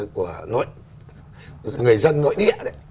của người dân nội địa